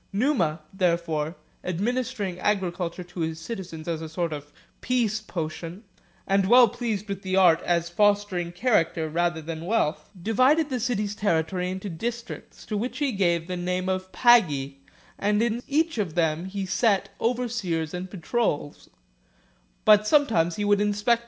Numa, therefore, administering agriculture to his citizens as a sort of peace potion, and well pleased with the art as fostering character rather than wealth, divided the city's territory into districts, to which he gave the name of "pagi," and in each of them he set 363 PLUTARCH'S LIVES , Μ 3 "\>\ b] A \ πόλους.